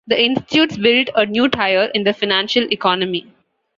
The institutes built a new tier in the financial economy.